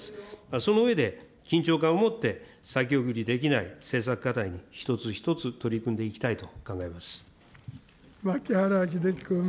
その上で緊張感を持って先送りできない政策課題に、一つ一つ取り組んでいきたいと考えます。